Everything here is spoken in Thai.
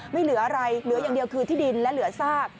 ไม่เหลืออะไรเหลืออย่างเดียวคือที่ดินและเหลือซาก